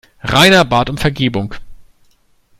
Rainer bat um Vergebung.